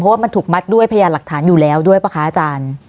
ว่ามันถูกมัดด้วยพยานหลักฐานอยู่แล้วด้วยป่ะคะอาจารย์